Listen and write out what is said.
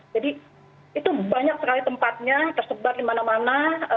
jadi itu banyak sekali tempatnya tersebar di mana mana